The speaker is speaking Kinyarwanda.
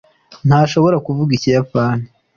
ntashobora kuvuga ikiyapani